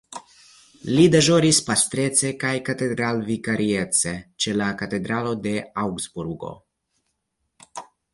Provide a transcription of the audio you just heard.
Li deĵoris pastrece kaj katedralvikariece ĉe la Katedralo de Aŭgsburgo.